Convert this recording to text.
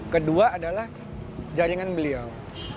kedua adalah jaringan beliau